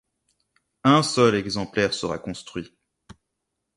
Un seul exemplaire sera construit.